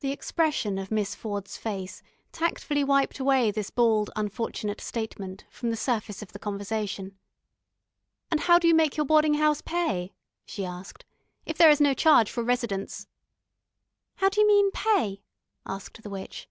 The expression of Miss Ford's face tactfully wiped away this bald unfortunate statement from the surface of the conversation. "And how do you make your boarding house pay," she asked, "if there is no charge for residence?" "How d'you mean pay?" asked the witch.